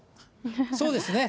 そうですね。